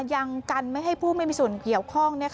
ยังกันไม่ให้ผู้ไม่มีส่วนเกี่ยวข้อง